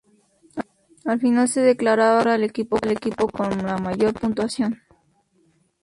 Al final se declaraba ganador al equipo con la mayor puntuación.